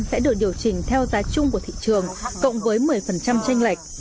sẽ được điều chỉnh theo giá chung của thị trường cộng với một mươi tranh lệch